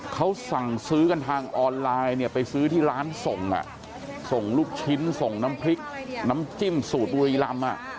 เขาสั่งซื้อกันทางออนไลน์เนี่ยไปซื้อที่ร้านส่งส่งลูกชิ้นส่งน้ำพริกน้ำจิ้มสูตรบุรีรำ